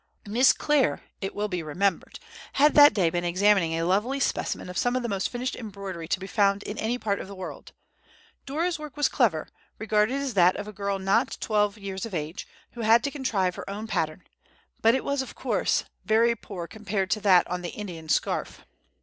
Miss Clare, it will be remembered, had that day been examining a lovely specimen of some of the most finished embroidery to be found in any part of the world. Dora's work was clever, regarded as that of a girl not twelve years of age, who had had to contrive her own pattern; but it was, of course, very poor compared to that on the Indian scarf.